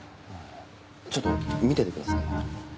ちょっと見ててくださいね。